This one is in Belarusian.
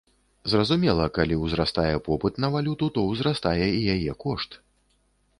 Зразумела, калі ўзрастае попыт на валюту, то ўзрастае і яе кошт.